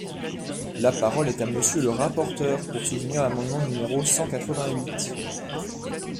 La parole est à Monsieur le rapporteur, pour soutenir l’amendement numéro cent quatre-vingt-huit.